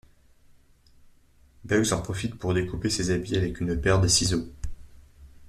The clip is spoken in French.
Bugs en profite pour découper ses habits avec une paire de ciseaux.